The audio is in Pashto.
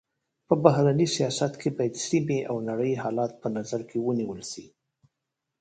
په بهرني سیاست کي باید سيمي او نړۍ حالت په نظر کي ونیول سي.